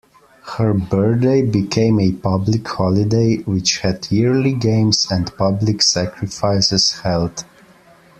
Her birthday became a public holiday, which had yearly games and public sacrifices held.